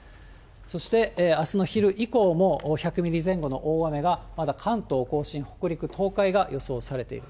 そして、あすの昼以降も１００ミリ前後の大雨がまだ関東甲信、北陸、東海が予想されている。